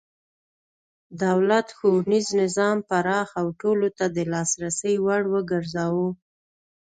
دولت ښوونیز نظام پراخ او ټولو ته د لاسرسي وړ وګرځاوه.